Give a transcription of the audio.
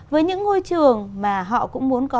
với những ngôi trường mà họ cũng muốn có